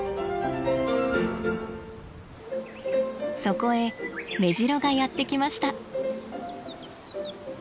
そこへメジロがやって来ました。